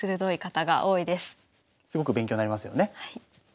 はい。